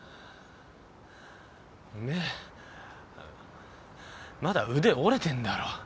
おめえまだ腕折れてんだろ。